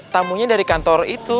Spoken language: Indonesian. tamunya dari kantor itu